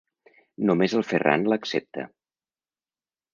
Només el Ferran l'accepta.